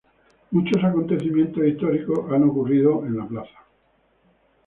Muchos acontecimientos históricos han ocurrido en la plaza.